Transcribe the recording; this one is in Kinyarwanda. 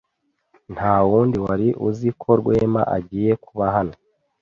Nta wundi wari uzi ko Rwema agiye kuba hano.